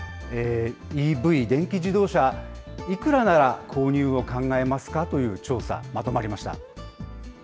ＥＶ・電気自動車、いくらなら購入を考えますかという調査、まとまりました。